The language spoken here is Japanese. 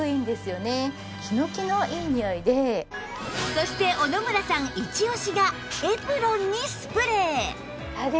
そして小野村さんイチ押しがエプロンにスプレー！